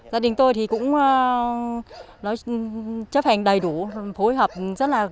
gia đình tôi cũng chấp hành đầy đủ phối hợp rất là lớn